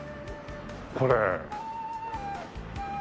これ。